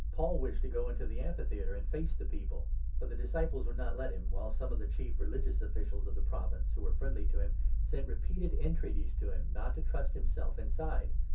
Paul wished to go into the amphi 30 theatre and face the people, but the disciples would not let him, while some of the chief religious officials of the province, 31 who were friendly to him, sent repeated entreaties to him not to trust himself inside.